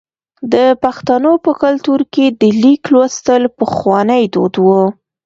د پښتنو په کلتور کې د لیک لوستل پخوانی دود و.